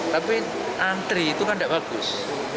tapi antri itu kan tidak bagus